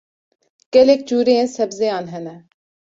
Gelek cureyên sebzeyan hene.